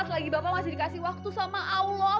selagi bapak masih dikasih waktu sama allah